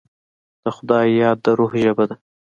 د خدای یاد، د روح ژبه ده.